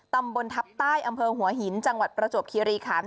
ตำบลทัพใต้อำเภอหัวหินจังหวัดประจวบคิริขัน